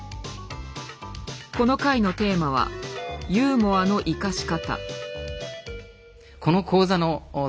この回のテーマは「ユーモアのいかし方」。